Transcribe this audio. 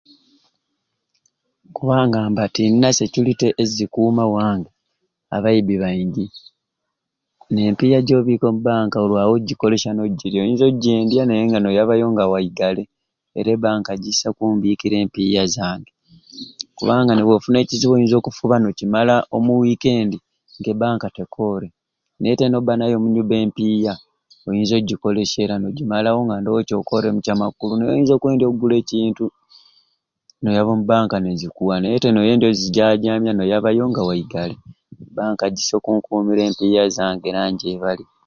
Kumbanga mba nga tendina security ezikuuma wange abaibi baingi nempiiya gyokuma omu bank olwawo ogyikolesya nogilya oyinza ogyendya naye niyabayo nga gyigale era bank gyisai oku nkumira empiiya zange kubanga nobwifuna ekizibu oyinza okufuba nokimala omu weekend nga e bank tekore naye te noba nayo empiiya oyinza ogikolesya era nogimalawo nga ndowo kyokoremu kyamakulu naye oyinza okwendya okugula ekintu noyabayo nezikuwa naye te noyendya ozijjajjama noyabayo omu bank nezikwima e bank gyisai okunkumira e sente zanga era ngyebalya